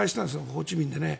ホーチミンでね。